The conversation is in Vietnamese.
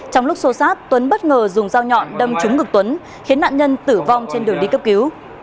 trong lúc xô sát tuấn bất ngờ dùng dao nhọn đâm trúng ngực tuấn khiến nạn nhân tử vong trên đường đi cấp cứu